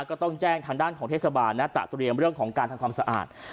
ก็ต้องแจ้งทางด้านของเทศบาลนะตะเตรียมเรื่องของการทำความสะอาด